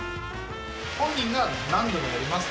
本人がなんでもやります。